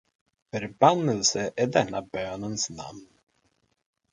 Förbannelse är denna bönens namn.